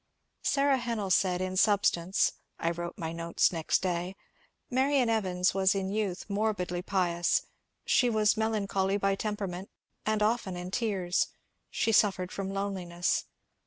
Sara Hennell said, in substance (I wrote my notes next day), ^*' Marian Evans was in youth morbidly pious ; she was melan choly by temperament and often in tears ; she suffered from loneliness.